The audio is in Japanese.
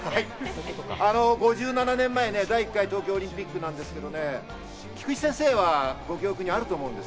５７年前、第１回東京オリンピックなんですけどね、菊地先生はご記憶にあると思います。